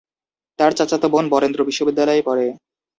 তার চাচাতো বোন বরেন্দ্র বিশ্ববিদ্যালয়ে পড়ে।